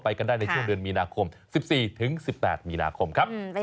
กันได้ในช่วงเดือนมีนาคม๑๔๑๘มีนาคมครับ